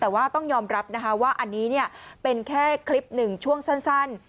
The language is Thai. แต่ว่าต้องยอมรับนะคะว่าอันนี้เป็นแค่คลิปหนึ่งช่วงสั้น